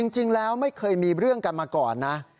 จริงแล้วไม่เคยมีเรื่องกันมาก่อนนะ